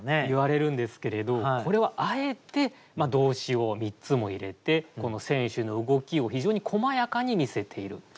言われるんですけれどこれはあえて動詞を３つも入れてこの選手の動きを非常にこまやかに見せている。